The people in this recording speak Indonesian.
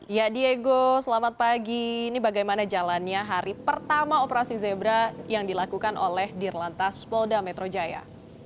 ya diego selamat pagi ini bagaimana jalannya hari pertama operasi zebra yang dilakukan oleh dirlantas polda metro jaya